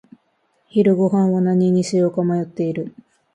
昼ごはんは何にしようか迷っている。